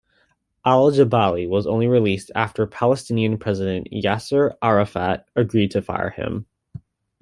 Al-Jabali was only released after Palestinian President Yasser Arafat agreed to fire him.